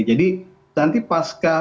jadi nanti pas ke libur